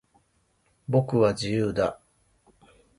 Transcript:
僕は、自由だ。